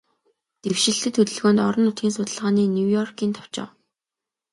Дэвшилтэт хөдөлгөөнд, орон нутгийн судалгааны Нью-Йоркийн товчоо